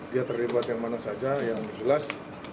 dia terlibat yang mana saja yang jelas